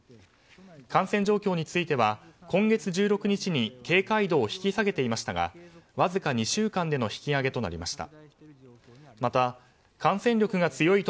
感染状況については今月１６日に警戒度を引き下げていましたがわずか２週間での引き上げとなりました。